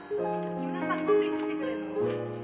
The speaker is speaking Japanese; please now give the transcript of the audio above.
木村さん今度いつ来てくれんの？